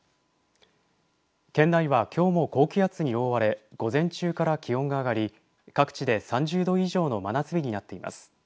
県内は、きょうも高気圧に覆われ午前中から気温が上がり各地で３０度以上の真夏日になっています。